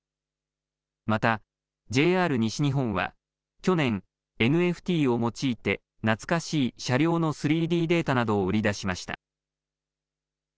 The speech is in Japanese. またＪＲ西日本は去年、ＮＦＴを用いて懐かしい車両の３Ｄデータなどを売り出しました。